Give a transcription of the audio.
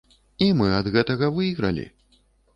І мы ад гэтага выйгралі.